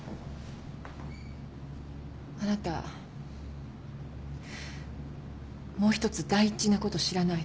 あなたもう一つ大事なこと知らないの。